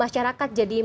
masyarakat jadi mulai